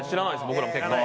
僕らも結果。